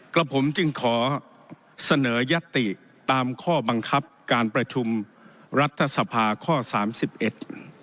กับผมจึงขอเสนอยัตติตามข้อบังคับการประชุมรัฐสภาข้อสามสิบเอ็ด